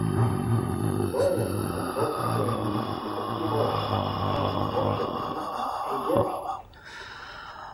The player controls the game with a keyboard and, optionally, a joystick.